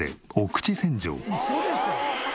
ウソでしょ！？